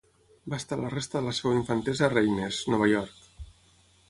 Va estar la resta de la seva infantesa a Reines, Nova York.